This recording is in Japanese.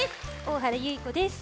大原ゆい子です！